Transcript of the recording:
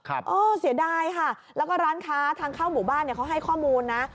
เออเสียดายค่ะแล้วก็ร้านค้าทางเข้าหมู่บ้านเนี่ยเขาให้ข้อมูลนะ